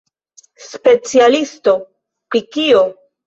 Specialisto pri kio?